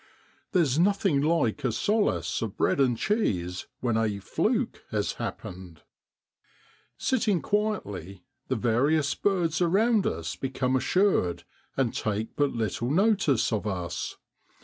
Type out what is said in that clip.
There's nothing like a solace of bread and cheese MARCH IN BROADLAND. 31 when a 'fluke ' has happened. Sitting quietly, the various birds around us become assured, and take but little notice of us.